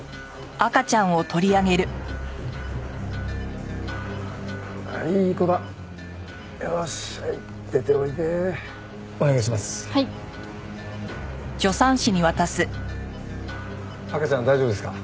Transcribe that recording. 赤ちゃん大丈夫ですか？